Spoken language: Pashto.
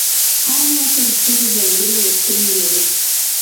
هر نسل خپلې ځانګړې غوښتنې لري.